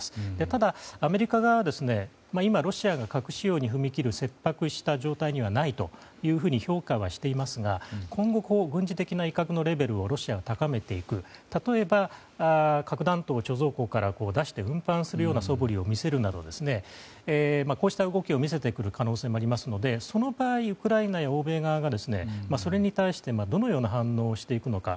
ただ、アメリカ側は今、ロシア核使用に踏み切る切迫した状態にはないと評価はしていますが今後、軍事的な威嚇のレベルをロシアが高めていく例えば、核弾頭を貯蔵庫から出して運搬するようなそぶりを見せるなどこうした動きを見せてくる可能性もありますのでその場合、ウクライナや欧米側がそれに対してどのような反応をしていくのか。